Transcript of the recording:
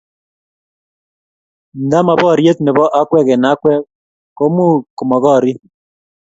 nta ma boriet nebo akwek eng akwek ko mu ku mokoriik